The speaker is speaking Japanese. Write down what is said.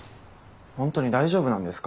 本当に大丈夫なんですか？